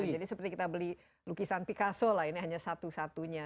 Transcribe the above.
jadi seperti kita beli lukisan picasso lah ini hanya satu satunya